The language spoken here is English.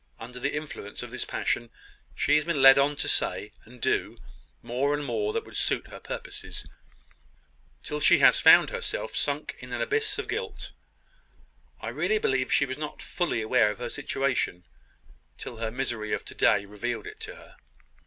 Under the influence of this passion, she has been led on to say and to do more and more that would suit her purposes, till she has found herself sunk in an abyss of guilt. I really believe she was not fully aware of her situation, till her misery of to day revealed it to her."